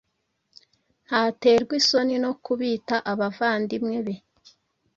Ntaterwa isoni no kubita abavandimwe be.